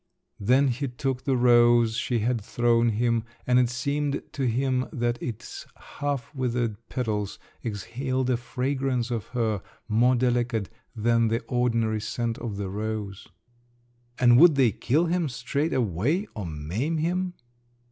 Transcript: Then he took the rose she had thrown him, and it seemed to him that its half withered petals exhaled a fragrance of her, more delicate than the ordinary scent of the rose. "And would they kill him straight away or maim him?"